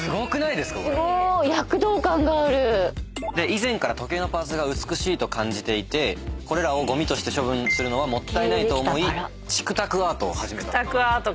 以前から時計のパーツが美しいと感じていてこれらをゴミとして処分するのはもったいないと思いチクタクアートを始めたと。